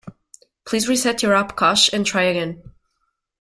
Please reset your app cache and try again.